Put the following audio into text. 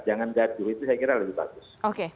jangan jahat dulu itu saya kira lebih bagus oke